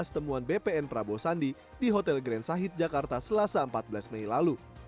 temuan bpn prabowo sandi di hotel grand sahit jakarta selasa empat belas mei lalu